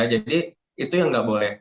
jadi itu yang nggak boleh